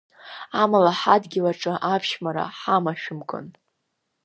Амала, ҳадгьыл аҿы аԥшәмара ҳамашәымкын.